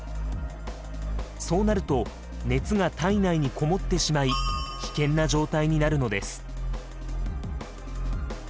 そうなると熱が体内にこもってしまい危険な状態になるのです。